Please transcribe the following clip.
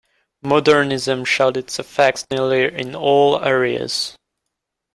Modernism showed its effects nearly in all areas.